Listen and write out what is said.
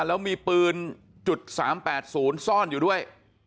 แล้วมีปืน๓๘๐ซ่อนอยู่ด้วย